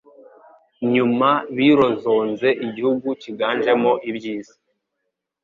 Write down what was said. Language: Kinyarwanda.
Nyuma birozonze igihugu cyiganjemo ibyiza